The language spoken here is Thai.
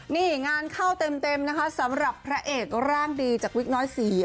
นี่งานเข้าเต็มนะคะสำหรับพระเอกร่างดีจากวิกน้อยศรี